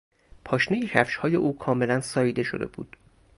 پاشنهی کفشهای او کاملا ساییده شده است.